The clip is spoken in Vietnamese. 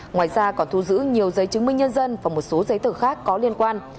ngoài ra còn thu giữ nhiều giấy chứng minh nhân dân và một số giấy tờ khác có liên quan